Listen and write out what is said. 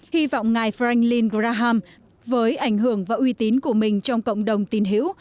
hy vọng ngài franklin graham với ảnh hưởng và uy tín của mình trong cộng đồng tín hiểu